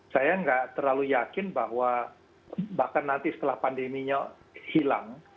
saya nggak terlalu yakin bahwa bahkan nanti setelah pandeminya hilang